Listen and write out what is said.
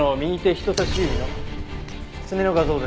人さし指の爪の画像です。